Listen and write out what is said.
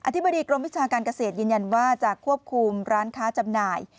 ธิบดีกรมวิชาการเกษตรยืนยันว่าจะควบคุมร้านค้าจำหน่าย